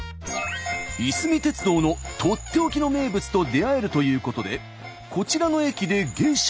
いすみ鉄道のとっておきの名物と出会えるということでこちらの駅で下車。